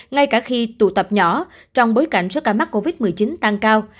ngay cả khi tụ tập nhỏ trong bối cảnh số ca mắc covid một mươi chín tăng cao